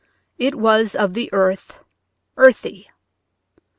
It was of the earth, earthy.